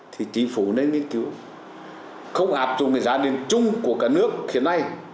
thì chính phủ nên nghiên cứu không hạp dụng cái giá điện chung của cả nước khiến ai